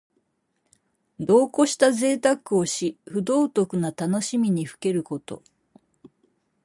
度をこしたぜいたくをし、不道徳な楽しみにふけること。